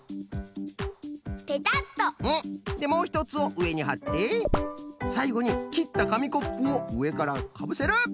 でもうひとつをうえにはってさいごにきったかみコップをうえからかぶせる！